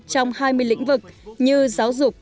trong hai mươi lĩnh vực như giáo dục